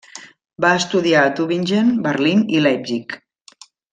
Va estudiar a Tübingen, Berlín i Leipzig.